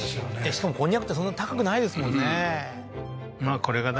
しかもコンニャクってそんな高くないですもんね